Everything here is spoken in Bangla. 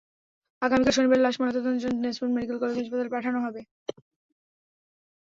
আগামীকাল শনিবার লাশ ময়নাতদন্তের জন্য দিনাজপুর মেডিকেল কলেজ হাসপাতালে পাঠানো হবে।